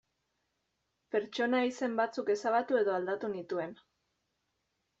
Pertsona izen batzuk ezabatu edo aldatu nituen.